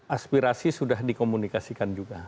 aspirasi sudah dikomunikasikan juga